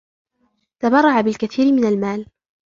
تبرّعَ بالكثير من المال.